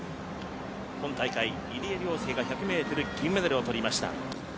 今大会、入江陵介が１００ｍ銀メダルを取りました。